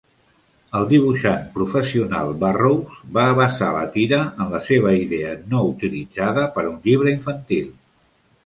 El dibuixant professional Barrows va basar la tira en la seva idea no utilitzada per a un llibre infantil.